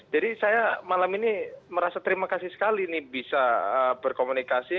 jadi saya malam ini merasa terima kasih sekali nih bisa berkomunikasi